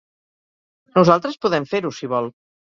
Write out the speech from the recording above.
Nosaltres podem fer-ho, si vol.